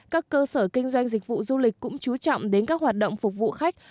các cơ sở kinh doanh dịch vụ du lịch cũng chú trọng đến các hoạt động phục vụ khách